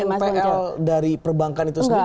npl dari perbankan itu sendiri